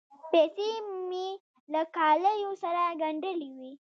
پیسې مې له کالیو سره ګنډلې وې.